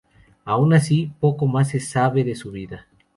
Aun así, poco más se sabe de su vida.